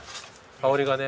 香りがね